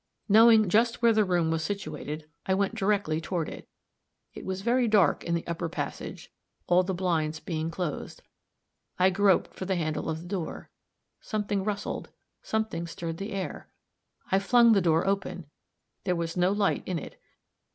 Knowing just where the room was situated, I went directly toward it; it was very dark in the upper passage, all the blinds being closed; I groped for the handle of the door something rustled, something stirred the air I flung the door open. There was no light in it.